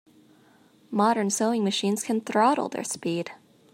Modern sewing machines can throttle their speed.